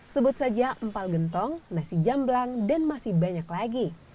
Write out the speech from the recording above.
sebut saja empal gentong nasi jamblang dan masih banyak lagi